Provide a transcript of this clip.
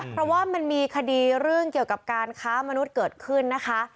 เพราะว่ามันมีคดีเรื่องเกี่ยวกับการค้ามนุษย์เกิดขึ้นนะคะ